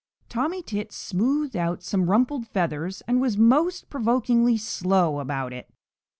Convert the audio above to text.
Tommy Tit smoothed out some rumpled feathers and was most provokingly slow about it.